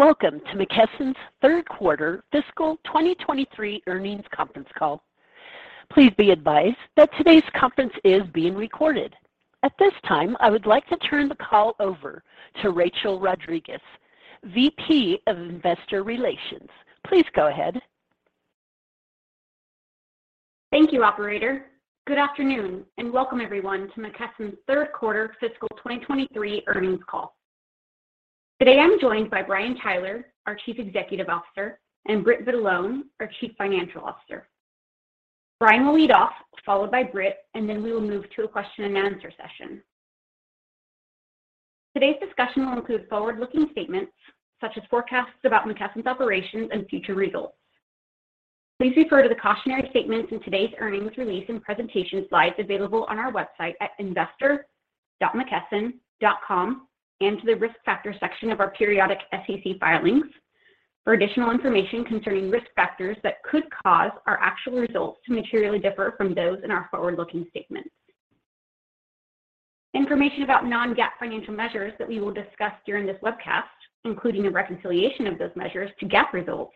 Welcome to McKesson's third quarter fiscal 2023 earnings conference call. Please be advised that today's conference is being recorded. At this time, I would like to turn the call over to Rachel Rodriguez, VP of Investor Relations. Please go ahead. Thank you, operator. Good afternoon, welcome everyone to McKesson's third quarter fiscal 2023 earnings call. Today, I'm joined by Brian Tyler, our Chief Executive Officer, and Britt Vitalone, our Chief Financial Officer. Brian will lead off, followed by Brit, then we will move to a question and answer session. Today's discussion will include forward-looking statements such as forecasts about McKesson's operations and future results. Please refer to the cautionary statements in today's earnings release and presentation slides available on our website at investor.mckesson.com, to the Risk Factors section of our periodic SEC filings for additional information concerning risk factors that could cause our actual results to materially differ from those in our forward-looking statements. Information about non-GAAP financial measures that we will discuss during this webcast, including a reconciliation of those measures to GAAP results,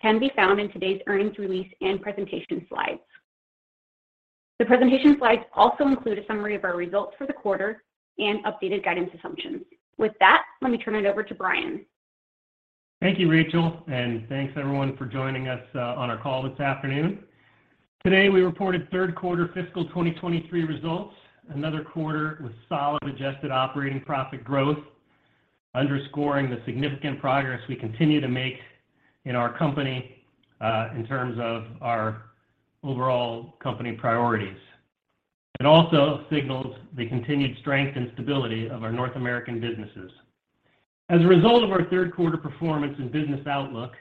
can be found in today's earnings release and presentation slides. The presentation slides also include a summary of our results for the quarter and updated guidance assumptions. With that, let me turn it over to Brian. Thank you, Rachel. Thanks everyone for joining us on our call this afternoon. Today, we reported third quarter fiscal 2023 results. Another quarter with solid adjusted operating profit growth, underscoring the significant progress we continue to make in our company in terms of our overall company priorities. It also signals the continued strength and stability of our North American businesses. As a result of our third quarter performance and business outlook,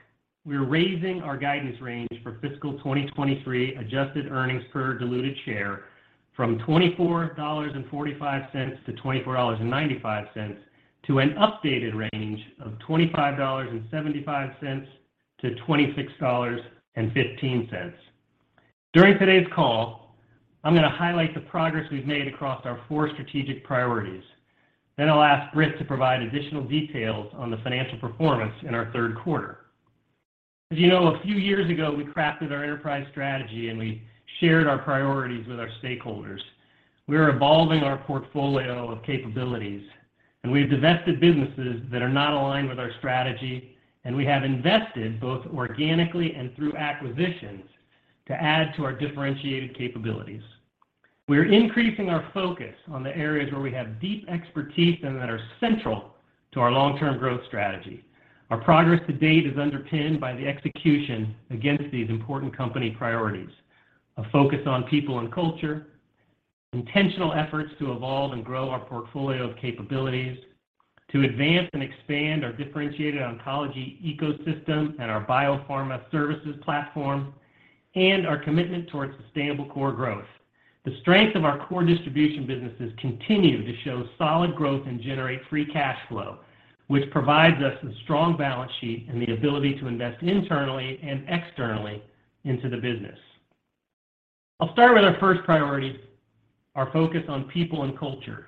we're raising our guidance range for fiscal 2023 Adjusted Earnings per Diluted Share from $24.45-$24.95 to an updated range of $25.75-$26.15. During today's call, I'm gonna highlight the progress we've made across our four strategic priorities. I'll ask Britt to provide additional details on the financial performance in our third quarter. As you know, a few years ago, we crafted our enterprise strategy, and we shared our priorities with our stakeholders. We are evolving our portfolio of capabilities, and we've divested businesses that are not aligned with our strategy, and we have invested both organically and through acquisitions to add to our differentiated capabilities. We're increasing our focus on the areas where we have deep expertise and that are central to our long-term growth strategy. Our progress to date is underpinned by the execution against these important company priorities: A focus on people and culture, intentional efforts to evolve and grow our portfolio of capabilities, to advance and expand our differentiated oncology ecosystem and our biopharma services platform, and our commitment towards sustainable core growth. The strength of our core distribution businesses continue to show solid growth and generate free cash flow, which provides us a strong balance sheet and the ability to invest internally and externally into the business. I'll start with our first priority, our focus on people and culture.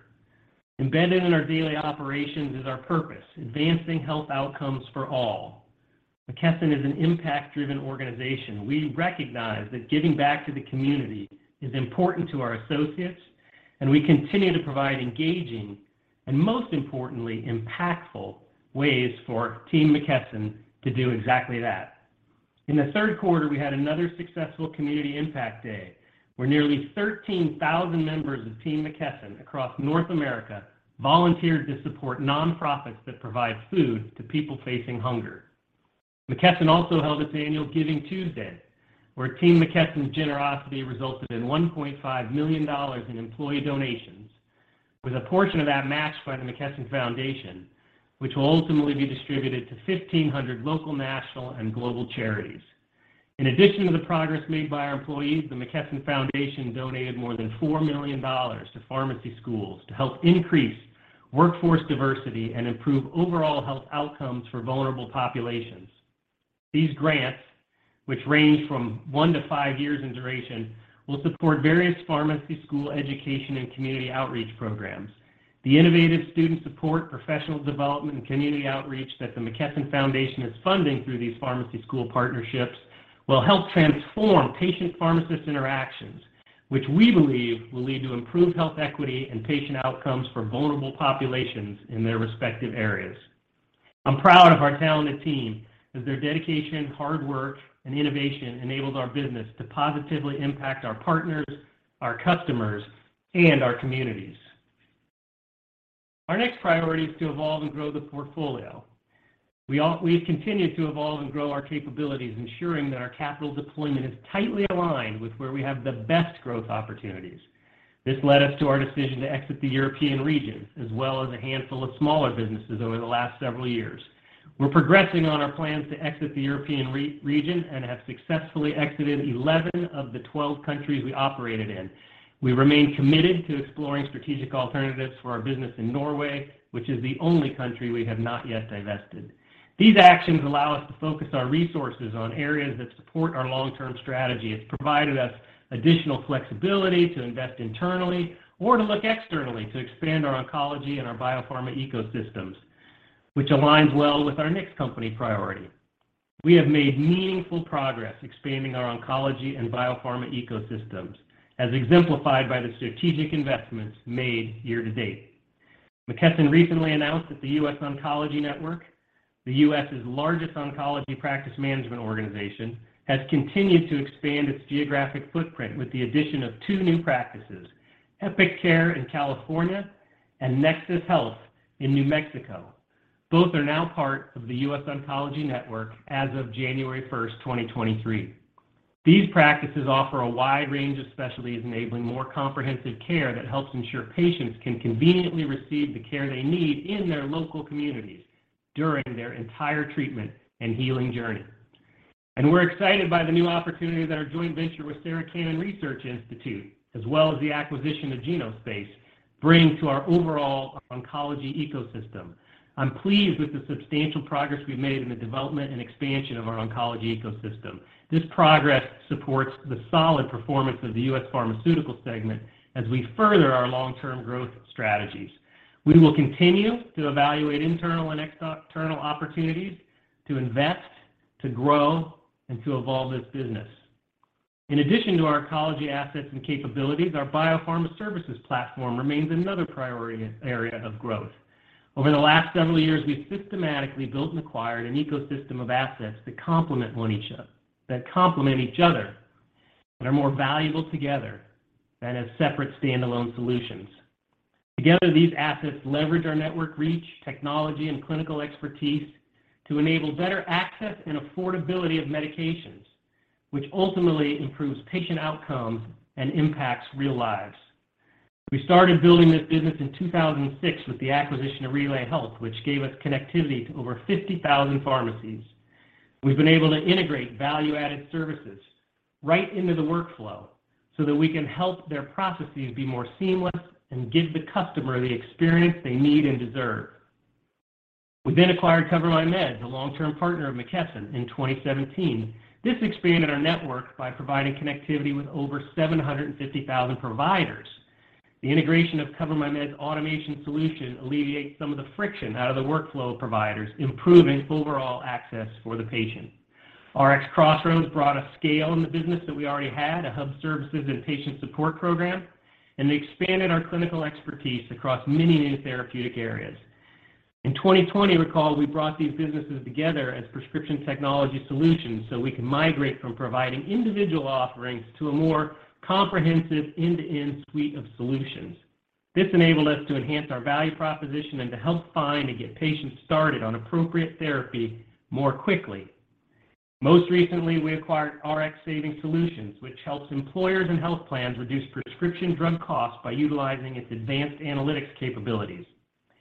Embedded in our daily operations is our purpose, advancing health outcomes for all. McKesson is an impact-driven organization. We recognize that giving back to the community is important to our associates, and we continue to provide engaging and, most importantly, impactful ways for Team McKesson to do exactly that. In the third quarter, we had another successful Community Impact Day, where nearly 13,000 members of Team McKesson across North America volunteered to support nonprofits that provide food to people facing hunger. McKesson also held its annual Giving Tuesday, where Team McKesson's generosity resulted in $1.5 million in employee donations, with a portion of that matched by the McKesson Foundation, which will ultimately be distributed to 1,500 local, national, and global charities. In addition to the progress made by our employees, the McKesson Foundation donated more than $4 million to pharmacy schools to help increase workforce diversity and improve overall health outcomes for vulnerable populations. These grants, which range from one-five years in duration, will support various pharmacy school education and community outreach programs. The innovative student support, professional development, and community outreach that the McKesson Foundation is funding through these pharmacy school partnerships will help transform patient-pharmacist interactions, which we believe will lead to improved health equity and patient outcomes for vulnerable populations in their respective areas. I'm proud of our talented team as their dedication, hard work, and innovation enables our business to positively impact our partners, our customers, and our communities. Our next priority is to evolve and grow the portfolio. We've continued to evolve and grow our capabilities, ensuring that our capital deployment is tightly aligned with where we have the best growth opportunities. This led us to our decision to exit the European region, as well as a handful of smaller businesses over the last several years. We're progressing on our plans to exit the European region and have successfully exited 11 of the 12 countries we operated in. We remain committed to exploring strategic alternatives for our business in Norway, which is the only country we have not yet divested. These actions allow us to focus our resources on areas that support our long-term strategy. It's provided us additional flexibility to invest internally or to look externally to expand our oncology and our biopharma ecosystems, which aligns well with our next company priority. We have made meaningful progress expanding our oncology and biopharma ecosystems as exemplified by the strategic investments made year to date. McKesson recently announced that The U.S. Oncology Network, the U.S.'s largest oncology practice management organization, has continued to expand its geographic footprint with the addition of two new practices, Epic Care in California and Nexus Health in New Mexico. Both are now part of The U.S. Oncology Network as of January first, 2023. These practices offer a wide range of specialties, enabling more comprehensive care that helps ensure patients can conveniently receive the care they need in their local communities during their entire treatment and healing journey. We're excited by the new opportunities that our joint venture with Sarah Cannon Research Institute, as well as the acquisition of Genospace, bring to our overall oncology ecosystem. I'm pleased with the substantial progress we've made in the development and expansion of our oncology ecosystem. This progress supports the solid performance of the U.S. Pharmaceutical segment as we further our long-term growth strategies. We will continue to evaluate internal and external opportunities to invest, to grow, and to evolve this business. In addition to our oncology assets and capabilities, our biopharma services platform remains another priority area of growth. Over the last several years, we've systematically built and acquired an ecosystem of assets that complement each other and are more valuable together than as separate standalone solutions. Together, these assets leverage our network reach, technology, and clinical expertise to enable better access and affordability of medications, which ultimately improves patient outcomes and impacts real lives. We started building this business in 2006 with the acquisition of Relay Health, which gave us connectivity to over 50,000 pharmacies. We've been able to integrate value-added services right into the workflow so that we can help their processes be more seamless and give the customer the experience they need and deserve. We then acquired CoverMyMed, the long-term partner of McKesson, in 2017. This expanded our network by providing connectivity with over 750,000 providers. The integration of CoverMyMed's automation solution alleviates some of the friction out of the workflow of providers, improving overall access for the patient. RxCrossroads brought a scale in the business that we already had, a hub services and patient support program, and they expanded our clinical expertise across many new therapeutic areas. In 2020, recall, we brought these businesses together as Prescription Technology Solutions, so we can migrate from providing individual offerings to a more comprehensive end-to-end suite of solutions. This enabled us to enhance our value proposition and to help find and get patients started on appropriate therapy more quickly. Most recently, we acquired RxSaving Solutions, which helps employers and health plans reduce prescription drug costs by utilizing its advanced analytics capabilities.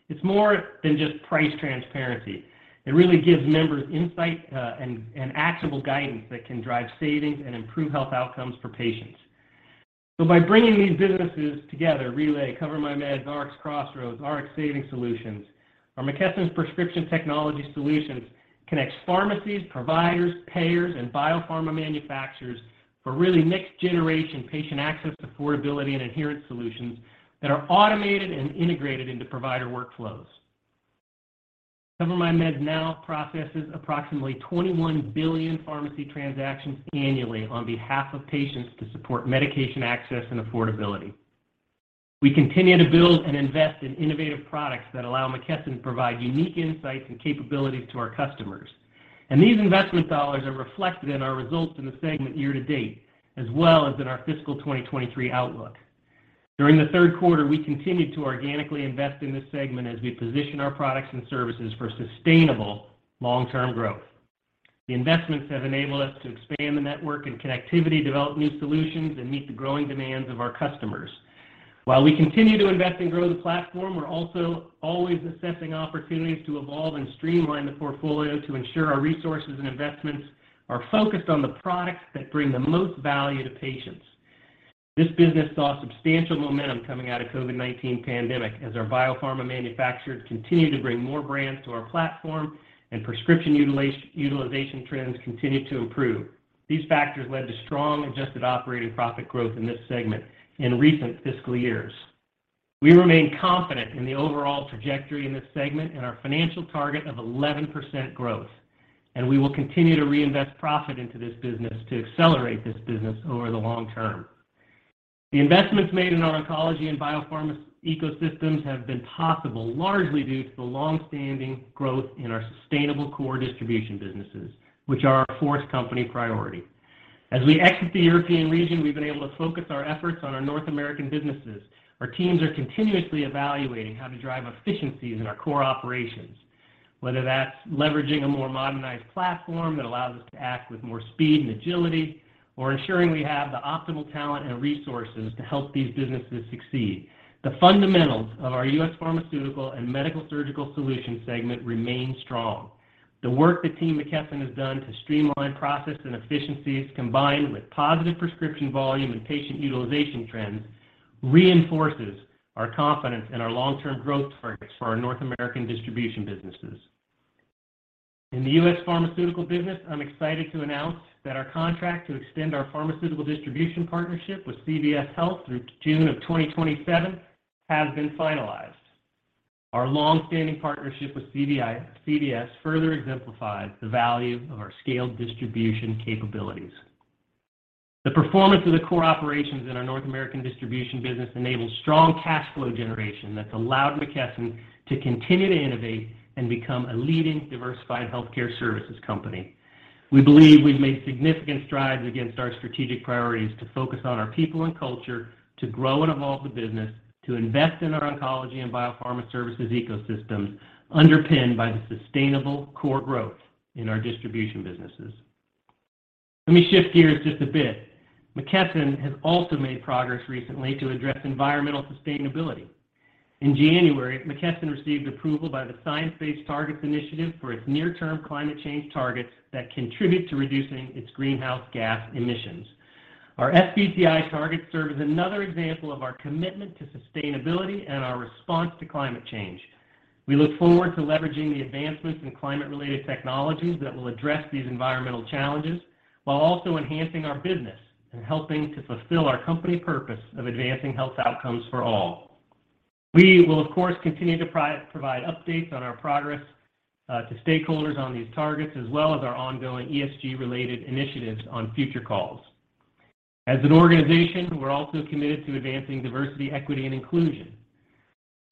It's more than just price transparency. It really gives members insight, and actionable guidance that can drive savings and improve health outcomes for patients. By bringing these businesses together, Relay, CoverMyMed, RxCrossroads, RxSaving Solutions, our McKesson's Prescription Technology Solutions connects pharmacies, providers, payers, and biopharma manufacturers for really next-generation patient access, affordability, and adherence solutions that are automated and integrated into provider workflows. CoverMyMed now processes approximately 21 billion pharmacy transactions annually on behalf of patients to support medication access and affordability. We continue to build and invest in innovative products that allow McKesson to provide unique insights and capabilities to our customers. These investment dollars are reflected in our results in the segment year to date, as well as in our fiscal 2023 outlook. During the third quarter, we continued to organically invest in this segment as we position our products and services for sustainable long-term growth. The investments have enabled us to expand the network and connectivity, develop new solutions, and meet the growing demands of our customers. While we continue to invest and grow the platform, we're also always assessing opportunities to evolve and streamline the portfolio to ensure our resources and investments are focused on the products that bring the most value to patients. This business saw substantial momentum coming out of COVID-19 pandemic as our biopharma manufacturers continued to bring more brands to our platform and prescription utilization trends continued to improve. These factors led to strong Adjusted Operating Profit growth in this segment in recent fiscal years. We remain confident in the overall trajectory in this segment and our financial target of 11% growth, and we will continue to reinvest profit into this business to accelerate this business over the long term. The investments made in our oncology and biopharma ecosystems have been possible largely due to the long-standing growth in our sustainable core distribution businesses, which are our fourth company priority. As we exit the European region, we've been able to focus our efforts on our North American businesses. Our teams are continuously evaluating how to drive efficiencies in our core operations, whether that's leveraging a more modernized platform that allows us to act with more speed and agility or ensuring we have the optimal talent and resources to help these businesses succeed. The fundamentals of our U.S. Pharmaceutical and Medical-Surgical Solutions segment remain strong. The work that Team McKesson has done to streamline process and efficiencies, combined with positive prescription volume and patient utilization trends, reinforces our confidence in our long-term growth targets for our North American distribution businesses. In the U.S. pharmaceutical business, I'm excited to announce that our contract to extend our pharmaceutical distribution partnership with CVS Health through June of 2027 has been finalized. Our long-standing partnership with CDI-CDS further exemplifies the value of our scaled distribution capabilities. The performance of the core operations in our North American distribution business enables strong cash flow generation that's allowed McKesson to continue to innovate and become a leading diversified healthcare services company. We believe we've made significant strides against our strategic priorities to focus on our people and culture, to grow and evolve the business, to invest in our oncology and biopharma services ecosystems, underpinned by the sustainable core growth in our distribution businesses. Let me shift gears just a bit. McKesson has also made progress recently to address environmental sustainability. In January, McKesson received approval by the Science Based Targets initiative for its near-term climate change targets that contribute to reducing its greenhouse gas emissions. Our SBTI target serves as another example of our commitment to sustainability and our response to climate change. We look forward to leveraging the advancements in climate-related technologies that will address these environmental challenges while also enhancing our business and helping to fulfill our company purpose of advancing health outcomes for all. We will, of course, continue to provide updates on our progress to stakeholders on these targets, as well as our ongoing ESG-related initiatives on future calls. As an organization, we're also committed to advancing diversity, equity, and inclusion.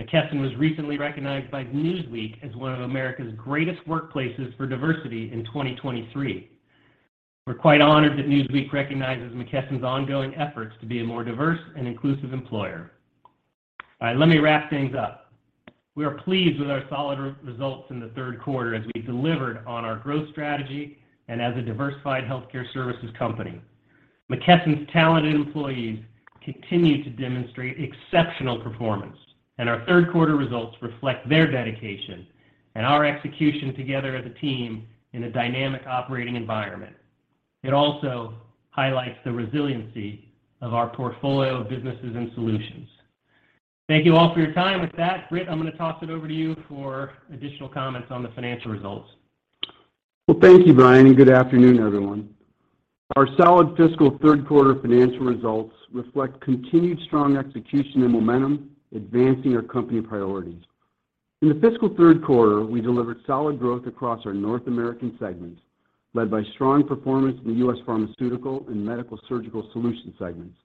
McKesson was recently recognized by Newsweek as one of America's greatest workplaces for diversity in 2023. We're quite honored that Newsweek recognizes McKesson's ongoing efforts to be a more diverse and inclusive employer. All right, let me wrap things up. We are pleased with our solid results in the third quarter as we delivered on our growth strategy and as a diversified healthcare services company. McKesson's talented employees continue to demonstrate exceptional performance. Our third quarter results reflect their dedication and our execution together as a team in a dynamic operating environment. It also highlights the resiliency of our portfolio of businesses and solutions. Thank you all for your time. With that, Britt, I'm going to toss it over to you for additional comments on the financial results. Well, thank you, Brian. Good afternoon, everyone. Our solid fiscal third quarter financial results reflect continued strong execution and momentum advancing our company priorities. In the fiscal third quarter, we delivered solid growth across our North American segments, led by strong performance in the U.S. Pharmaceutical and Medical-Surgical Solutions segments.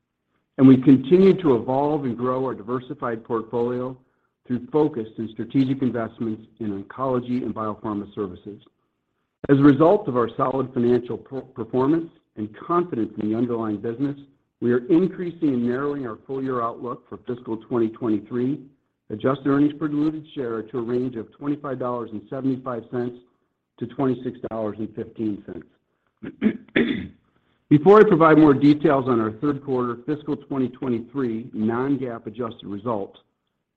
We continue to evolve and grow our diversified portfolio through focus in strategic investments in oncology and biopharma services. As a result of our solid financial performance and confidence in the underlying business, we are increasing and narrowing our full year outlook for fiscal 2023, Adjusted Earnings per Diluted Share to a range of $25.75-$26.15. Before I provide more details on our third quarter fiscal 2023 non-GAAP adjusted results,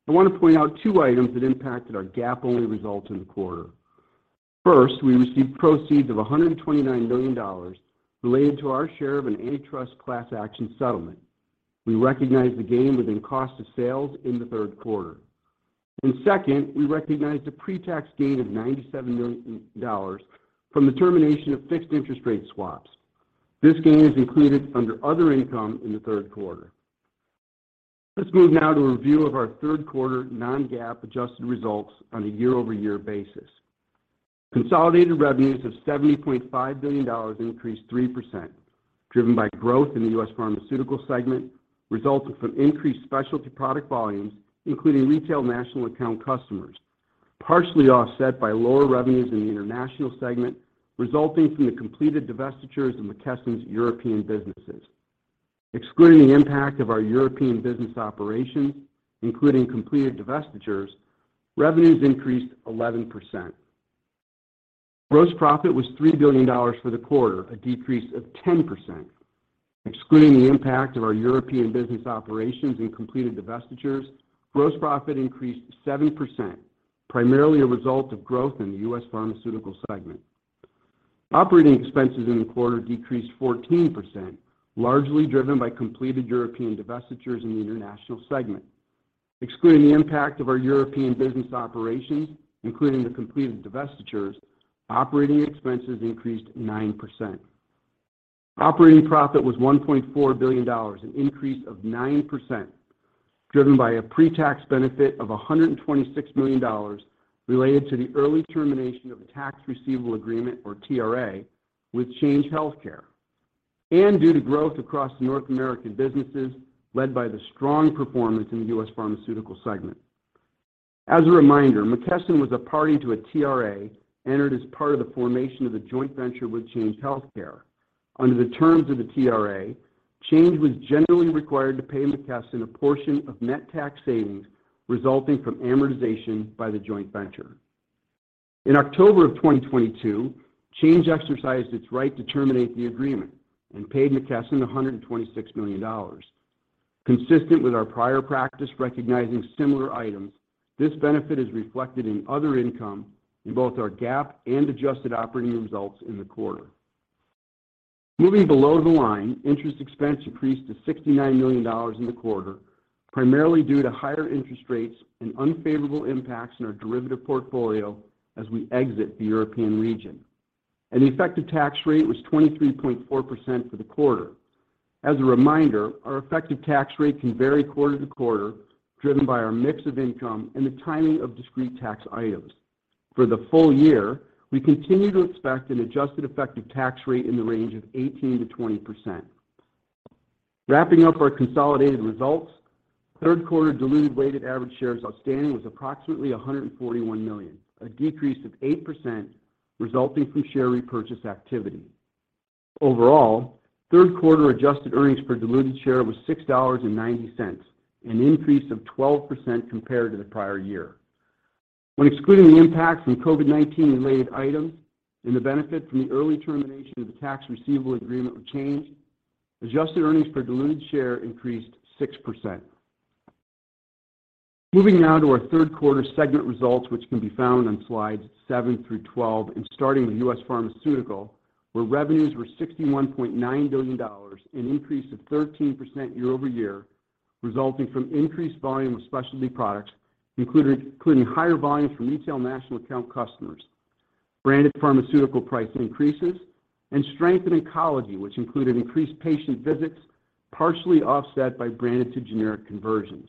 I want to point out two items that impacted our GAAP-only results in the quarter. First, we received proceeds of $129 million related to our share of an antitrust class action settlement. We recognized the gain within cost of sales in the third quarter. Second, we recognized a pretax gain of $97 million from the termination of fixed interest rate swaps. This gain is included under other income in the third quarter. Let's move now to a review of our third quarter non-GAAP adjusted results on a year-over-year basis. Consolidated revenues of $75 billion increased 3%, driven by growth in the U.S. Pharmaceutical segment, resulting from increased specialty product volumes, including retail national account customers, partially offset by lower revenues in the international segment, resulting from the completed divestitures of McKesson's European businesses. Excluding the impact of our European business operations, including completed divestitures, revenues increased 11%. Gross profit was $3 billion for the quarter, a decrease of 10%. Excluding the impact of our European business operations and completed divestitures, gross profit increased 7%, primarily a result of growth in the U.S. Pharmaceutical segment. Operating expenses in the quarter decreased 14%, largely driven by completed European divestitures in the international segment. Excluding the impact of our European business operations, including the completed divestitures, operating expenses increased 9%. Operating profit was $1.4 billion, an increase of 9%, driven by a pretax benefit of $126 million related to the early termination of a Tax Receivable Agreement, or TRA, with Change Healthcare, and due to growth across the North American businesses, led by the strong performance in the U.S. Pharmaceutical segment. As a reminder, McKesson was a party to a TRA entered as part of the formation of the joint venture with Change Healthcare. Under the terms of the TRA, Change was generally required to pay McKesson a portion of net tax savings resulting from amortization by the joint venture. In October 2022, Change exercised its right to terminate the agreement and paid McKesson $126 million. Consistent with our prior practice recognizing similar items, this benefit is reflected in other income in both our GAAP and adjusted operating results in the quarter. Moving below the line, interest expense increased to $69 million in the quarter, primarily due to higher interest rates and unfavorable impacts in our derivative portfolio as we exit the European region. The effective tax rate was 23.4% for the quarter. As a reminder, our effective tax rate can vary quarter to quarter, driven by our mix of income and the timing of discrete tax items. For the full year, we continue to expect an adjusted effective tax rate in the range of 18%-20%. Wrapping up our consolidated results, third quarter diluted weighted average shares outstanding was approximately 141 million, a decrease of 8% resulting from share repurchase activity. Overall, third quarter Adjusted Earnings per Diluted Share was $6.90, an increase of 12% compared to the prior year. When excluding the impact from COVID-19 related items and the benefit from the early termination of the tax receivable agreement with Change, Adjusted Earnings per Diluted Share increased 6%. Moving now to our third quarter segment results, which can be found on slides seven through 12 and starting with U.S. Pharmaceutical, where revenues were $61.9 billion, an increase of 13% year-over-year, resulting from increased volume of specialty products, including higher volumes from retail national account customers, branded pharmaceutical price increases, and strength in oncology, which included increased patient visits, partially offset by branded to generic conversions.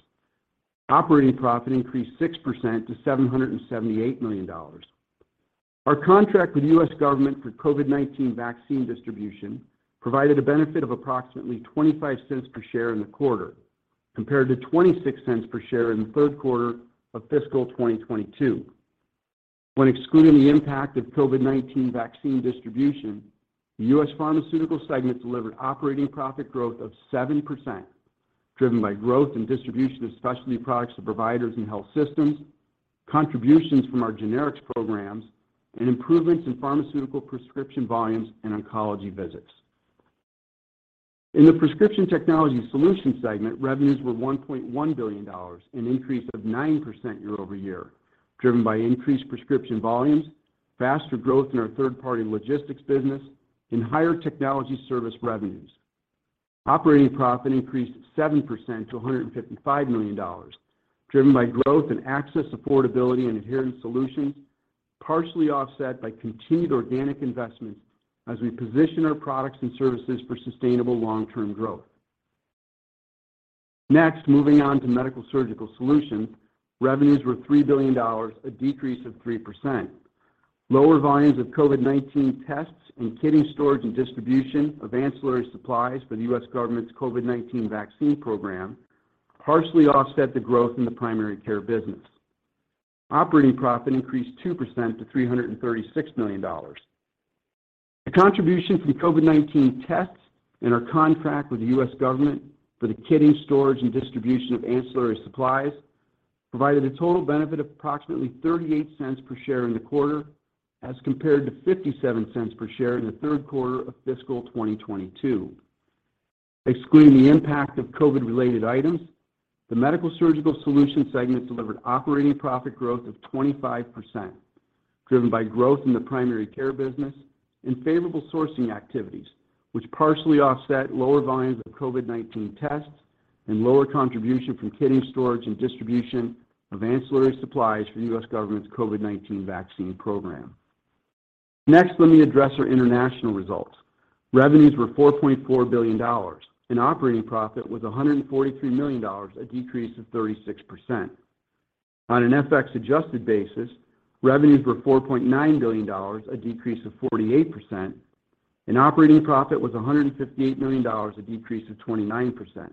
Operating profit increased 6%-$778 million. Our contract with U.S. government for COVID-19 vaccine distribution provided a benefit of approximately 0.25 per share in the quarter, compared to 0.26 per share in the third quarter of fiscal 2022. When excluding the impact of COVID-19 vaccine distribution, the U.S. Pharmaceutical segment delivered operating profit growth of 7%, driven by growth in distribution of specialty products to providers and health systems, contributions from our generics programs, and improvements in pharmaceutical prescription volumes and oncology visits. In the Prescription Technology Solutions segment, revenues were $1.1 billion, an increase of 9% year-over-year, driven by increased prescription volumes, faster growth in our third-party logistics business, and higher technology service revenues. Operating profit increased 7%-$155 million, driven by growth in access, affordability, and adherence solutions, partially offset by continued organic investments as we position our products and services for sustainable long-term growth. Moving on to Medical-Surgical Solutions, revenues were $3 billion, a decrease of 3%. Lower volumes of COVID-19 tests and kitting storage and distribution of ancillary supplies for the U.S. government's COVID-19 vaccine program harshly offset the growth in the primary care business. Operating profit increased 2%- $336 million. The contribution from COVID-19 tests and our contract with the U.S. government for the kitting storage and distribution of ancillary supplies provided a total benefit of approximately 0.38 per share in the quarter as compared to 0.57 per share in the third quarter of fiscal 2022. Excluding the impact of COVID-related items, the Medical-Surgical Solutions segment delivered operating profit growth of 25%, driven by growth in the primary care business and favorable sourcing activities, which partially offset lower volumes of COVID-19 tests and lower contribution from kitting storage and distribution of ancillary supplies for U.S. government's COVID-19 vaccine program. Next, let me address our international results. Revenues were $4.4 billion and operating profit was $143 million, a decrease of 36%. On an FX adjusted basis, revenues were $4.9 billion, a decrease of 48%, and operating profit was $158 million, a decrease of 29%.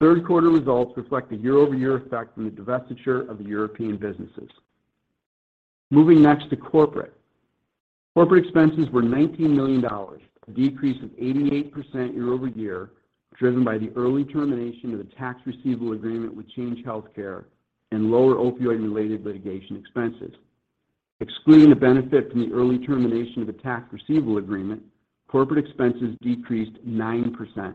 Third quarter results reflect the year-over-year effect from the divestiture of the European businesses. Moving next to corporate. Corporate expenses were $19 million, a decrease of 88% year-over-year, driven by the early termination of the tax receivable agreement with Change Healthcare and lower opioid-related litigation expenses. Excluding the benefit from the early termination of the tax receivable agreement, corporate expenses decreased 9%.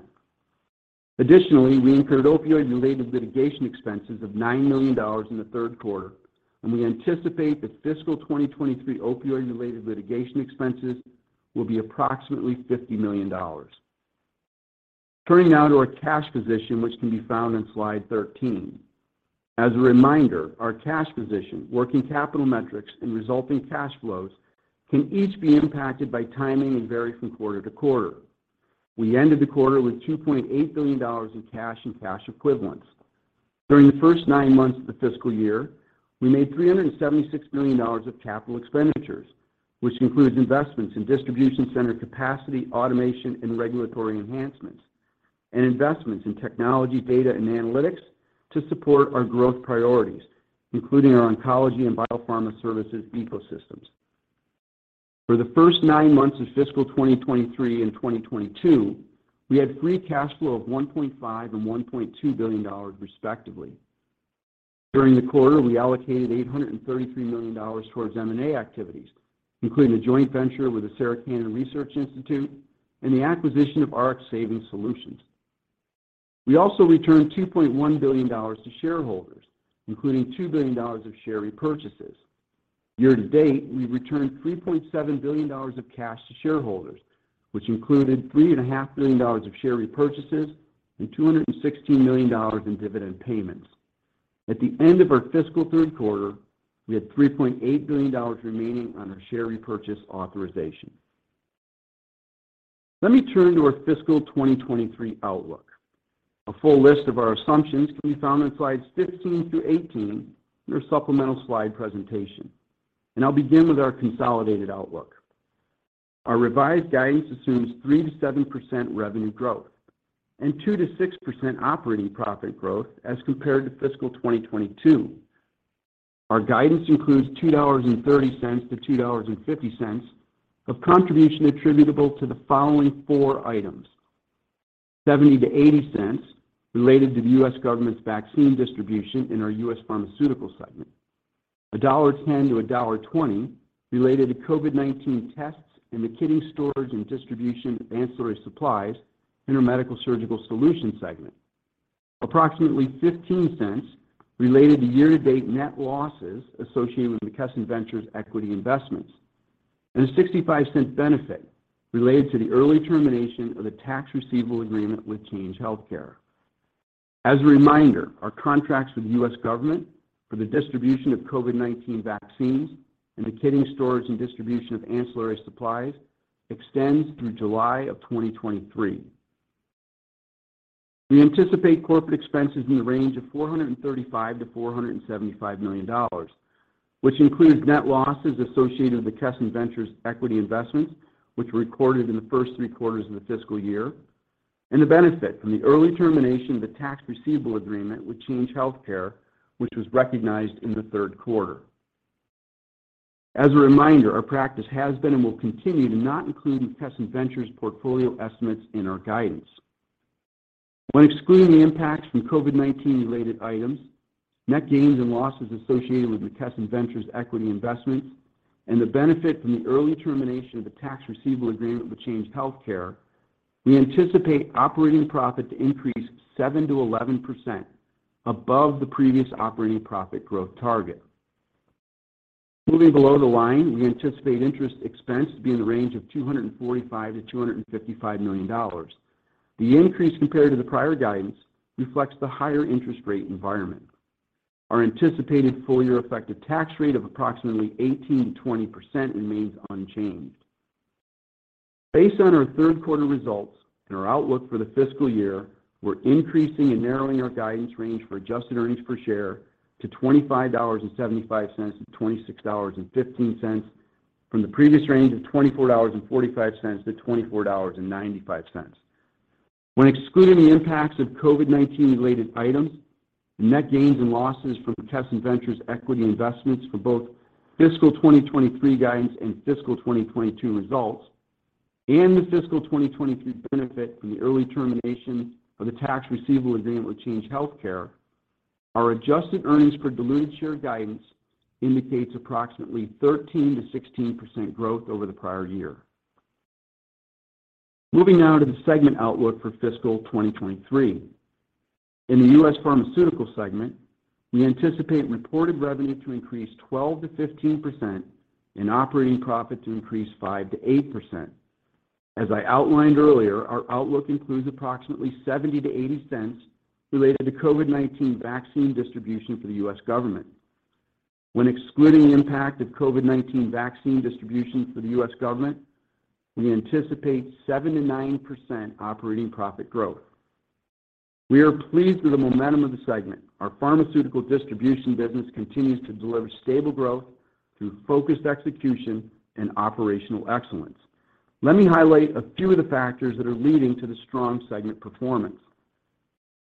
Additionally, we incurred opioid-related litigation expenses of $9 million in the third quarter. We anticipate that fiscal 2023 opioid-related litigation expenses will be approximately $50 million. Turning now to our cash position, which can be found on slide 13. As a reminder, our cash position, working capital metrics, and resulting cash flows can each be impacted by timing and vary from quarter to quarter. We ended the quarter with $2.8 billion in cash and cash equivalents. During the first nine months of the fiscal year, we made $376 million of capital expenditures, which includes investments in distribution center capacity, automation, and regulatory enhancements, and investments in technology, data, and analytics to support our growth priorities, including our oncology and biopharma services ecosystems. For the first nine months of fiscal 2023 and 2022, we had free cash flow of $1.5 billion and $1.2 billion, respectively. During the quarter, we allocated $833 million towards M&A activities, including a joint venture with the Sarah Cannon Research Institute and the acquisition of RxSavings Solutions. We also returned $2.1 billion to shareholders, including $2 billion of share repurchases. Year to date, we've returned $3.7 billion of cash to shareholders, which included three and a half billion dollars of share repurchases and $216 million in dividend payments. At the end of our fiscal third quarter, we had $3.8 billion remaining on our share repurchase authorization. Let me turn to our fiscal 2023 outlook. A full list of our assumptions can be found on slides 15 through 18 in our supplemental slide presentation. I'll begin with our consolidated outlook. Our revised guidance assumes 3%-7% revenue growth and 2%-6% operating profit growth as compared to fiscal 2022. Our guidance includes $2.30-$2.50 of contribution attributable to the following four items: $0.70-$0.80 related to the U.S. government's vaccine distribution in our U.S. Pharmaceutical segment, 1.10-1.20 related to COVID-19 tests and the kitting, storage, and distribution of ancillary supplies in our Medical-Surgical Solutions segment, approximately 0.15 related to year-to-date net losses associated with McKesson Ventures equity investments, and a 0.65 benefit related to the early termination of the tax receivable agreement with Change Healthcare. As a reminder, our contracts with the U.S. government for the distribution of COVID-19 vaccines and the kitting storage and distribution of ancillary supplies extends through July of 2023. We anticipate corporate expenses in the range of 435 million-$475 million, which includes net losses associated with McKesson Ventures equity investments, which were recorded in the first three quarters of the fiscal year, and the benefit from the early termination of the tax receivable agreement with Change Healthcare, which was recognized in the third quarter. As a reminder, our practice has been and will continue to not include McKesson Ventures portfolio estimates in our guidance. When excluding the impacts from COVID-19 related items, net gains and losses associated with McKesson Ventures equity investments, and the benefit from the early termination of the tax receivable agreement with Change Healthcare, we anticipate operating profit to increase 7%-11% above the previous operating profit growth target. Moving below the line, we anticipate interest expense to be in the range of 245 million-$255 million. The increase compared to the prior guidance reflects the higher interest rate environment. Our anticipated full year effective tax rate of approximately 18%-20% remains unchanged. Based on our third quarter results and our outlook for the fiscal year, we're increasing and narrowing our guidance range for adjusted earnings per share to 25.75-$26.15 from the previous range of 24.45-$24.95. When excluding the impacts of COVID-19 related items, the net gains and losses from McKesson Ventures equity investments for both fiscal 2023 guidance and fiscal 2022 results, and the fiscal 2023 benefit from the early termination of the tax receivable agreement with Change Healthcare, our Adjusted Earnings per Diluted Share guidance indicates approximately 13%-16% growth over the prior year. Moving now to the segment outlook for fiscal 2023. In the U.S. Pharmaceutical segment, we anticipate reported revenue to increase 12%-15% and operating profit to increase 5%-8%. As I outlined earlier, our outlook includes approximately 0.70-$0.80 related to COVID-19 vaccine distribution for the U.S. government. When excluding the impact of COVID-19 vaccine distribution for the U.S. government, we anticipate 7%-9% operating profit growth. We are pleased with the momentum of the segment. Our pharmaceutical distribution business continues to deliver stable growth through focused execution and operational excellence. Let me highlight a few of the factors that are leading to the strong segment performance.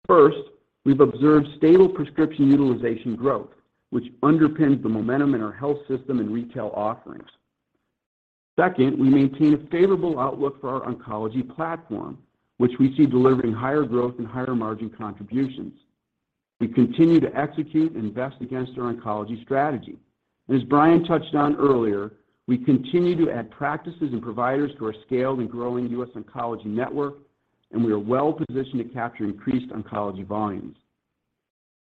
First, we've observed stable prescription utilization growth, which underpins the momentum in our health system and retail offerings. Second, we maintain a favorable outlook for our oncology platform, which we see delivering higher growth and higher margin contributions. We continue to execute and invest against our oncology strategy. As Brian touched on earlier, we continue to add practices and providers to our scale and growing U.S. Oncology Network, and we are well positioned to capture increased oncology volumes.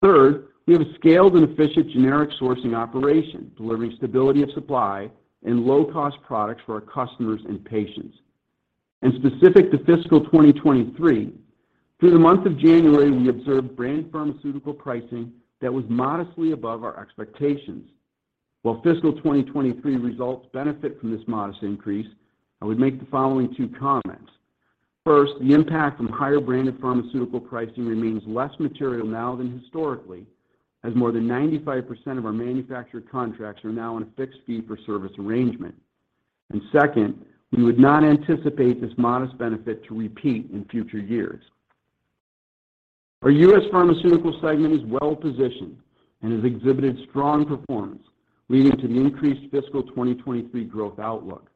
Third, we have a scaled and efficient generic sourcing operation, delivering stability of supply and low cost products for our customers and patients. Specific to fiscal 2023, through the month of January, we observed brand pharmaceutical pricing that was modestly above our expectations. While fiscal 2023 results benefit from this modest increase, I would make the following two comments. First, the impact from higher branded pharmaceutical pricing remains less material now than historically, as more than 95% of our manufactured contracts are now in a fixed fee for service arrangement. Second, we would not anticipate this modest benefit to repeat in future years. Our U.S. Pharmaceutical segment is well positioned and has exhibited strong performance, leading to an increased fiscal 2023 growth outlook.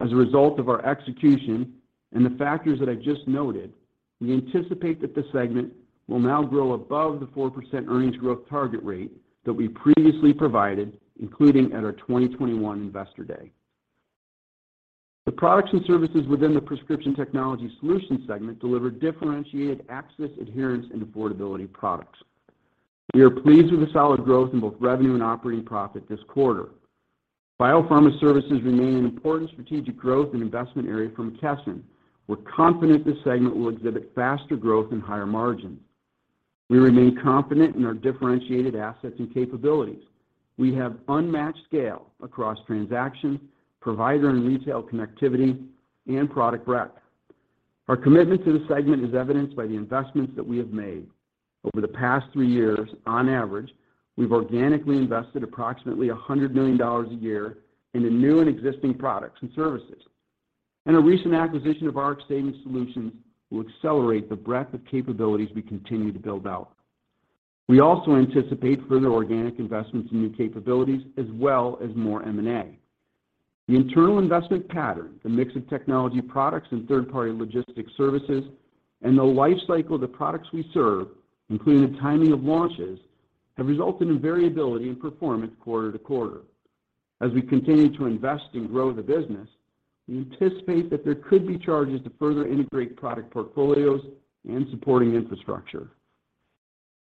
As a result of our execution and the factors that I've just noted, we anticipate that the segment will now grow above the 4% earnings growth target rate that we previously provided, including at our 2021 Investor Day. The products and services within the Prescription Technology Solutions segment deliver differentiated access, adherence, and affordability products. We are pleased with the solid growth in both revenue and operating profit this quarter. Biopharma services remain an important strategic growth and investment area for McKesson. We're confident this segment will exhibit faster growth and higher margins. We remain confident in our differentiated assets and capabilities. We have unmatched scale across transactions, provider and retail connectivity, and product breadth. Our commitment to the segment is evidenced by the investments that we have made. Over the past three years, on average, we've organically invested approximately $100 million a year into new and existing products and services. A recent acquisition of RxSavings Solutions will accelerate the breadth of capabilities we continue to build out. We also anticipate further organic investments in new capabilities as well as more M&A. The internal investment pattern, the mix of technology products and third-party logistics services, and the life cycle of the products we serve, including the timing of launches, have resulted in variability in performance quarter-to-quarter. As we continue to invest and grow the business, we anticipate that there could be charges to further integrate product portfolios and supporting infrastructure.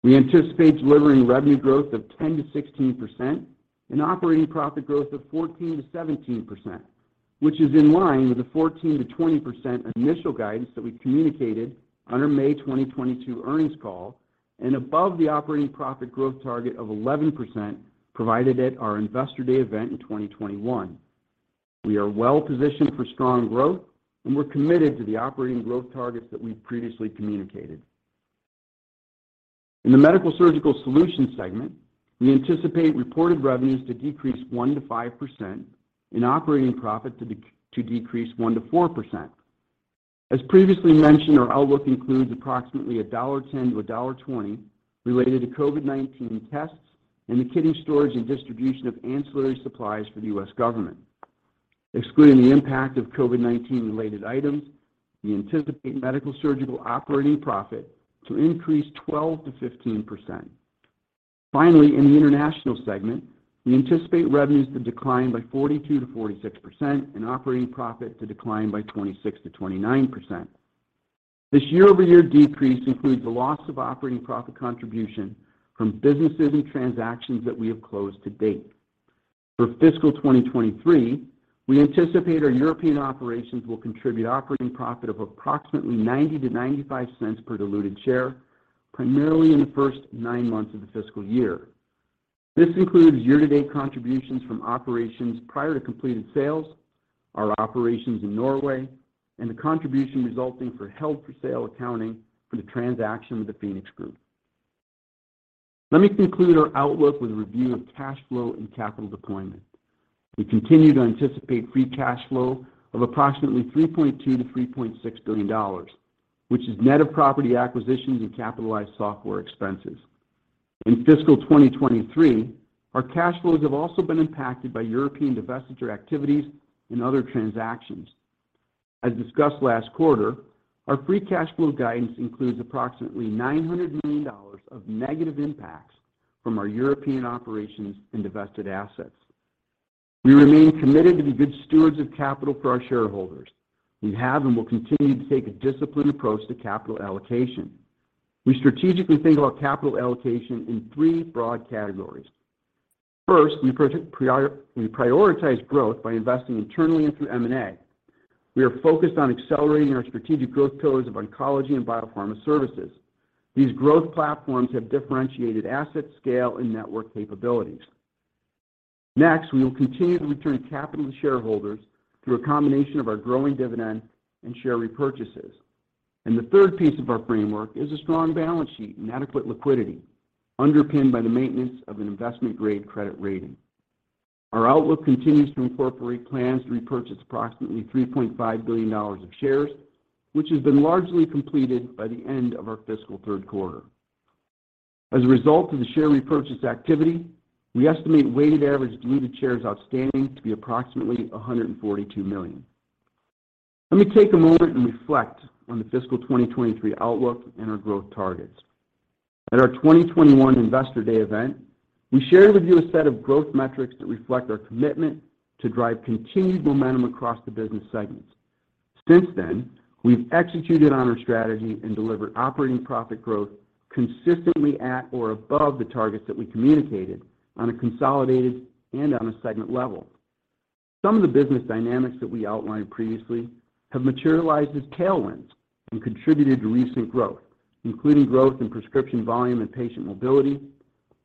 We anticipate delivering revenue growth of 10%-16% and operating profit growth of 14%-17%, which is in line with the 14%-20% initial guidance that we communicated on our May 2022 earnings call and above the operating profit growth target of 11% provided at our Investor Day event in 2021. We are well positioned for strong growth, we're committed to the operating growth targets that we've previously communicated. In the Medical-Surgical Solutions segment, we anticipate reported revenues to decrease 1%-5% and operating profit to decrease 1%-4%. As previously mentioned, our outlook includes approximately 1.10-1.20 related to COVID-19 tests and the kitting storage and distribution of ancillary supplies for the U.S. government. Excluding the impact of COVID-19 related items, we anticipate Medical-Surgical operating profit to increase 12%-15%. Finally, in the international segment, we anticipate revenues to decline by 42%-46% and operating profit to decline by 26%-29%. This year-over-year decrease includes the loss of operating profit contribution from businesses and transactions that we have closed to date. For fiscal 2023, we anticipate our European operations will contribute operating profit of approximately 0.90-0.95 per diluted share, primarily in the first nine months of the fiscal year. This includes year-to-date contributions from operations prior to completed sales, our operations in Norway, and the contribution resulting for held-for-sale accounting for the transaction with the PHOENIX group. Let me conclude our outlook with a review of cash flow and capital deployment. We continue to anticipate free cash flow of approximately 3.2 billion-$3.6 billion, which is net of property acquisitions and capitalized software expenses. In fiscal 2023, our cash flows have also been impacted by European divestiture activities and other transactions. As discussed last quarter, our free cash flow guidance includes approximately $900 million of negative impacts from our European operations and divested assets. We remain committed to be good stewards of capital for our shareholders. We have and will continue to take a disciplined approach to capital allocation. We strategically think about capital allocation in three broad categories. First, we prioritize growth by investing internally and through M&A. We are focused on accelerating our strategic growth pillars of oncology and biopharma services. These growth platforms have differentiated asset scale and network capabilities. We will continue to return capital to shareholders through a combination of our growing dividend and share repurchases. The third piece of our framework is a strong balance sheet and adequate liquidity underpinned by the maintenance of an investment-grade credit rating. Our outlook continues to incorporate plans to repurchase approximately $3.5 billion of shares, which has been largely completed by the end of our fiscal third quarter. As a result of the share repurchase activity, we estimate weighted average diluted shares outstanding to be approximately 142 million. Let me take a moment and reflect on the fiscal 2023 outlook and our growth targets. At our 2021 Investor Day event, we shared with you a set of growth metrics that reflect our commitment to drive continued momentum across the business segments. Since then, we've executed on our strategy and delivered operating profit growth consistently at or above the targets that we communicated on a consolidated and on a segment level. Some of the business dynamics that we outlined previously have materialized as tailwinds and contributed to recent growth, including growth in prescription volume and patient mobility,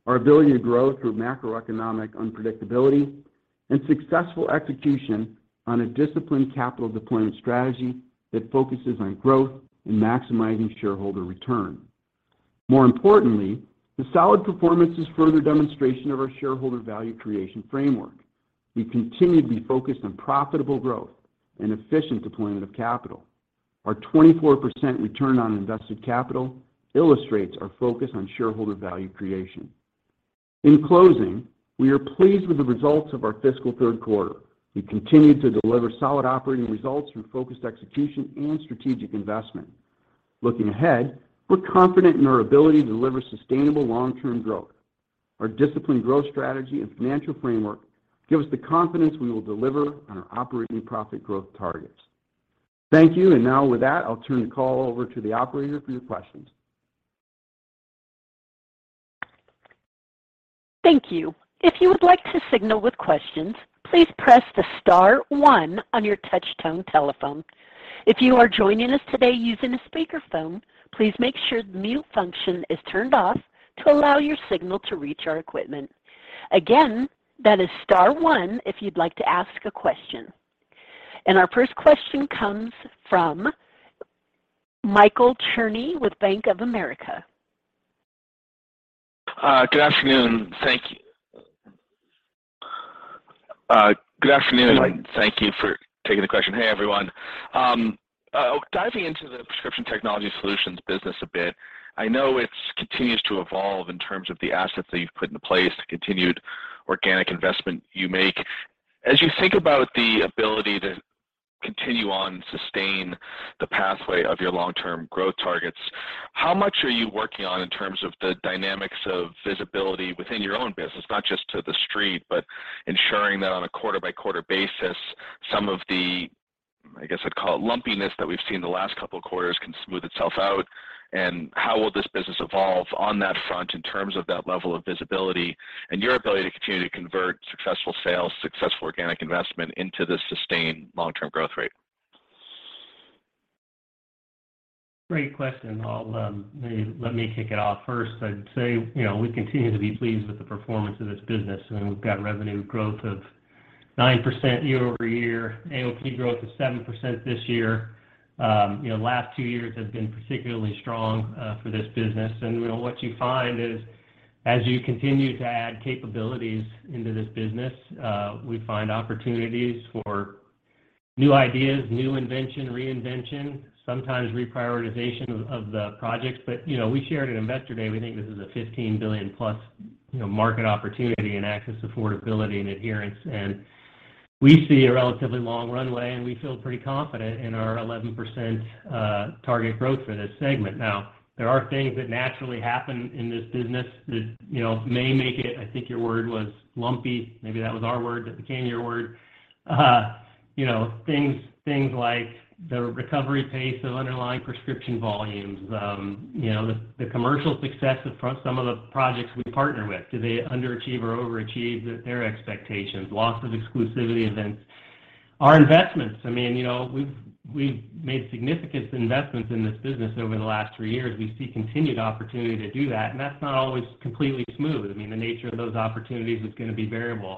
our ability to grow through macroeconomic unpredictability, and successful execution on a disciplined capital deployment strategy that focuses on growth and maximizing shareholder return. More importantly, the solid performance is further demonstration of our shareholder value creation framework. We continue to be focused on profitable growth and efficient deployment of capital. Our 24% Return on Invested Capital illustrates our focus on shareholder value creation. In closing, we are pleased with the results of our fiscal third quarter. We continue to deliver solid operating results through focused execution and strategic investment. Looking ahead, we're confident in our ability to deliver sustainable long-term growth. Our disciplined growth strategy and financial framework give us the confidence we will deliver on our operating profit growth targets. Thank you. Now with that, I'll turn the call over to the operator for your questions. Thank you. If you would like to signal with questions, please press the star one on your touchtone telephone. If you are joining us today using a speakerphone, please make sure the mute function is turned off to allow your signal to reach our equipment. Again, that is star one if you'd like to ask a question. Our first question comes from Michael Cherny with Bank of America. Good afternoon. Thank you. Good afternoon, and thank you for taking the question. Hey, everyone. Diving into the Prescription Technology Solutions business a bit, I know it's continues to evolve in terms of the assets that you've put into place, the continued organic investment you make. As you think about the ability to continue on, sustain the pathway of your long-term growth targets, how much are you working on in terms of the dynamics of visibility within your own business, not just to the Street, but ensuring that on a quarter by quarter basis, some of the, I guess I'd call it lumpiness that we've seen the last couple of quarters, can smooth itself out? How will this business evolve on that front in terms of that level of visibility and your ability to continue to convert successful sales, successful organic investment into the sustained long-term growth rate? Great question. I'll let me kick it off first. I'd say, you know, we continue to be pleased with the performance of this business, and we've got revenue growth of 9% year-over-year, AOP growth of 7% this year. You know, last two years have been particularly strong for this business. You know, what you find is, as you continue to add capabilities into this business, we find opportunities for new ideas, new invention, reinvention, sometimes reprioritization of the projects. You know, we shared at Investor Day, we think this is a 15 billion plus, you know, market opportunity in access, affordability, and adherence. We see a relatively long runway, and we feel pretty confident in our 11% target growth for this segment. Now, there are things that naturally happen in this business that, you know, may make it, I think your word was lumpy, maybe that was our word, but became your word. you know, things like the recovery pace of underlying prescription volumes. you know, the commercial success of some of the projects we partner with. Do they underachieve or overachieve their expectations? Loss of exclusivity events. Our investments, I mean, you know, we've made significant investments in this business over the last three years. We see continued opportunity to do that, and that's not always completely smooth. I mean, the nature of those opportunities is gonna be variable.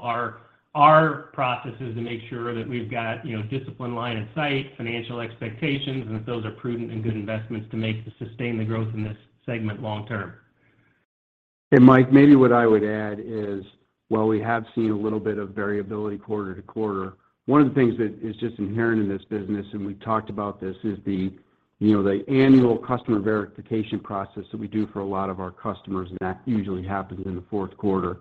Our process is to make sure that we've got, you know, discipline, line of sight, financial expectations, and that those are prudent and good investments to make to sustain the growth in this segment long term. Mike, maybe what I would add is, while we have seen a little bit of variability quarter to quarter, one of the things that is just inherent in this business, and we've talked about this, is the, you know, the annual customer verification process that we do for a lot of our customers, and that usually happens in the fourth quarter.